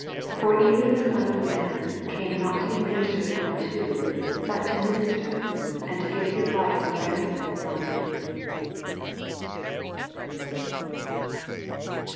45 For even the Son of man came not to be ministered unto, but to minister, and to give his life a ransom for many.